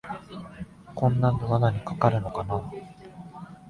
こんなんで罠にかかるのかなあ